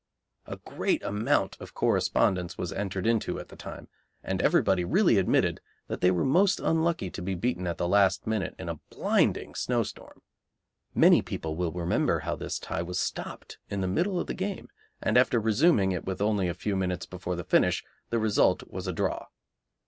A great amount of correspondence was entered into at the time, and everybody really admitted that they were most unlucky to be beaten at the last minute in a blinding snowstorm. Many people will remember how this tie was stopped in the middle of the game, and after resuming it with only a few minutes before the finish the result was a draw.